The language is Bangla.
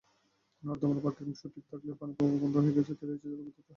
নর্দমার বাকি অংশ ঠিক থাকলেও পানিপ্রবাহ বন্ধ হয়ে তৈরি হয়েছে জলাবদ্ধতা।